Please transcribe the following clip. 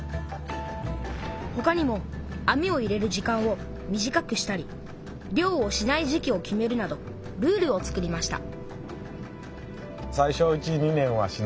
ほかにも網を入れる時間を短くしたり漁をしない時期を決めるなどルールを作りました